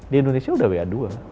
di indonesia sudah wa dua